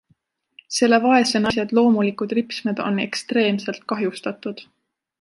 Selle vaese naise loomulikud ripsmed on ekstreemselt kahjustatud.